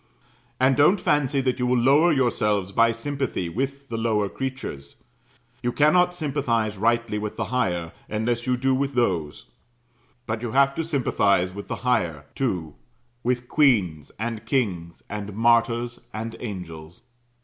And don't fancy that you will lower yourselves by sympathy with the lower creatures; you cannot sympathize rightly with the higher, unless you do with those: but you have to sympathize with the higher, too with queens, and kings, and martyrs, and angels.